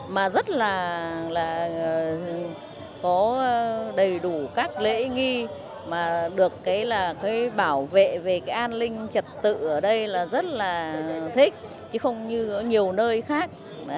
mà rất là có đầy đủ các lễ nghi mà được là cái bảo vệ về cái an ninh trật tự ở đây là rất là thích chứ không như ở nhiều nơi khác